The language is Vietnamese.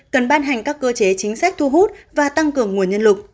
cần ban hành các cơ chế chính sách thu hút và tăng cường nguồn nhân lực